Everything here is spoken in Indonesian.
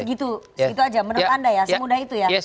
itu aja menurut anda ya semudah itu ya